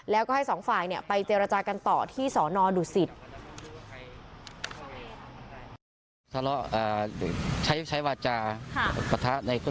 แล้วก็ให้สองฝ่ายไปเจรจากันต่อที่สอนอดุสิต